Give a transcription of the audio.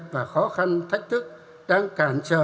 và khó khăn thách thức đang cản trở